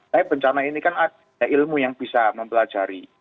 tapi bencana ini kan ada ilmu yang bisa mempelajari